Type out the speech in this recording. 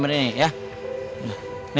kalimber tiga harus jaga ini